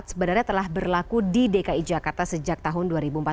sebenarnya telah berlaku di dki jakarta sejak tahun dua ribu empat belas